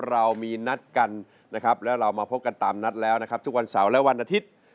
เรามีนัดกันนะครับแล้วเรามาพบกันตามนัดแล้วนะครับทุกวันเสาร์และวันอาทิตย์